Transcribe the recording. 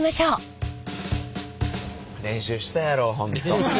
練習したやろうほんと。